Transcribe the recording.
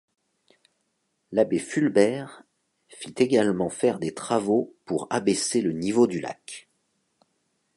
L'abbé Fulbert fit également faire des travaux pour abaisser le niveau du lac.